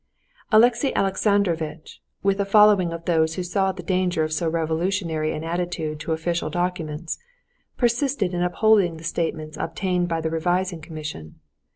Alexey Alexandrovitch, with a following of those who saw the danger of so revolutionary an attitude to official documents, persisted in upholding the statements obtained by the revising commission.